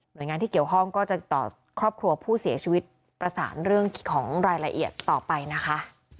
โดยงานที่เกี่ยวข้องก็จะติดต่อครอบครัวผู้เสียชีวิตประสานเรื่องของรายละเอียดต่อไปนะคะ